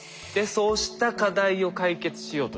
そうした課題を解決しようとですね